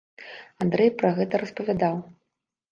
Андрэй пра гэта распавядаў.